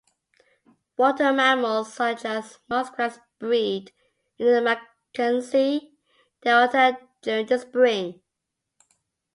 Water mammals such as muskrats breed in the Mackenzie Delta during the spring.